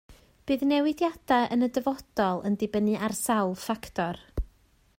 Bydd newidiadau yn y dyfodol yn dibynnu ar sawl ffactor